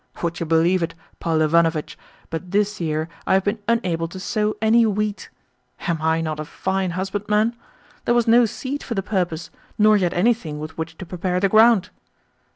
Would you believe it, Paul Ivanovitch, but this year I have been unable to sow any wheat! Am I not a fine husbandman? There was no seed for the purpose, nor yet anything with which to prepare the ground.